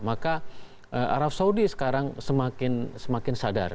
maka arab saudi sekarang semakin sadar